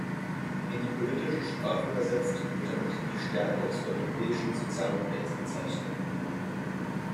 In die politische Sprache übersetzt, wird damit die Stärke des europäischen Sozialmodells bezeichnet.